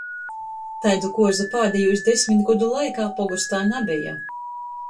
Taidu kuozu pādejūs desmit godu laikā pogostā nabeja.